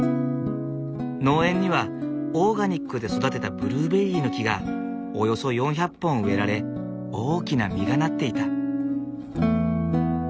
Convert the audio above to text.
農園にはオーガニックで育てたブルーベリーの木がおよそ４００本植えられ大きな実がなっていた。